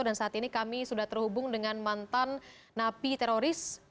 dan saat ini kami sudah terhubung dengan mantan napi teroris